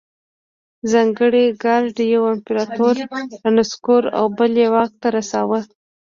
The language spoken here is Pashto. ځانګړي ګارډ یو امپرتور رانسکور او بل یې واک ته رساوه.